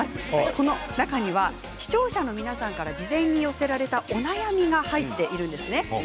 この中には、視聴者の皆さんから事前に寄せられたお悩みが入っているんです。